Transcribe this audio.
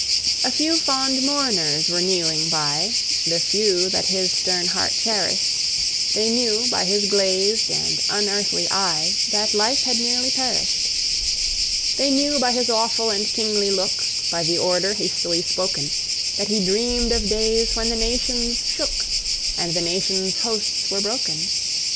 A few fond mourners were kneeling by, The few that his stern heart cherished; They knew, by his glazed and unearthly eye, That life had nearly perished. They knew by his awful and kingly look, By the order hastily spoken, That he dreamed of days when the nations shook, And the nations' hosts were broken.